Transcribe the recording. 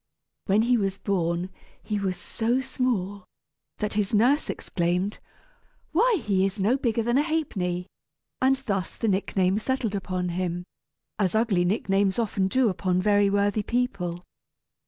When he was born he was so small that his nurse exclaimed, "Why, he is no bigger than a ha'penny!" and thus the nickname settled upon him, as ugly nicknames often do upon very worthy people.